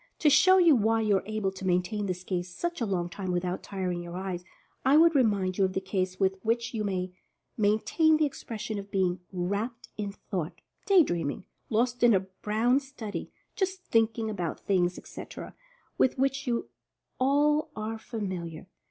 To show you why you are able to maintain this gaze such a long time without tiring your eyes, I would remind you of the ease with which you may maintain the expression of being "wrapped in thought," "day dreaming," "lost in a brown study," "just thinking about things," etc., with which you all are familiar.